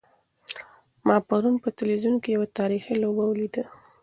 ما پرون په تلویزیون کې یوه تاریخي لوبه ولیده.